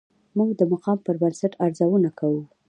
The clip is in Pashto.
موږ د مقام پر بنسټ ارزونه کوو.